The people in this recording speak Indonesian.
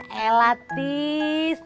ya elah tis